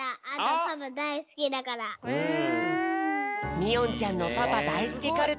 みおんちゃんのパパだいすきカルタ。